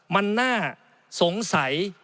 มันน่าสงสัย